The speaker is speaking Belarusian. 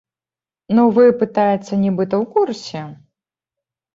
Ну, вы, пытаецца, нібыта ў курсе.